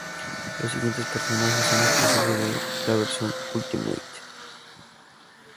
Los siguientes personajes son exclusivos de la versión "Ultimate".